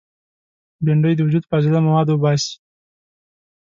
بېنډۍ د وجود فاضله مواد وباسي